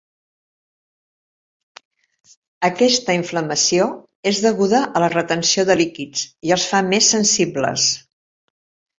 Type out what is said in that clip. Aquesta inflamació és deguda a la retenció de líquids i els fa més sensibles.